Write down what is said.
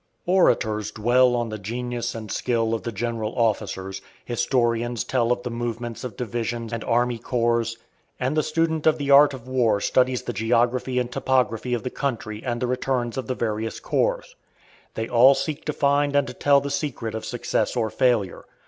Orators dwell on the genius and skill of the general officers; historians tell of the movements of divisions and army corps, and the student of the art of war studies the geography and topography of the country and the returns of the various corps: they all seek to find and to tell the secret of success or failure.